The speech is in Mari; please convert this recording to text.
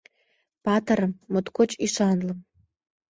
Патырым, моткоч ӱшанлым.